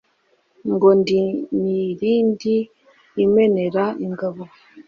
Ngo ndi Milindi imenera ingabo